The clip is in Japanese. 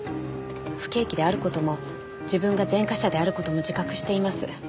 不景気である事も自分が前科者である事も自覚しています。